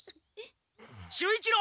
守一郎！